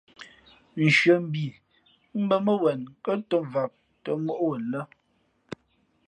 Nshʉαmbhǐ mbᾱ mά wen kα̌ ntōm vam tᾱ mǒʼ wzen lά.